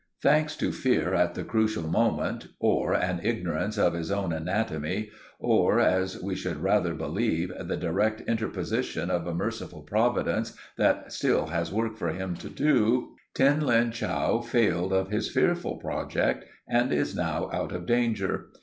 Thanks to fear at the crucial moment, or an ignorance of his own anatomy, or, as we should rather believe, the direct interposition of a merciful Providence that still has work for him to do, Tin Lin Chow failed of his fearful project and is now out of danger.